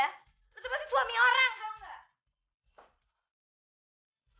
lu tuh pasti suami orang tau gak